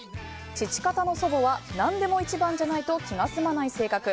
父方の祖母は何でも一番じゃないと気が済まない性格。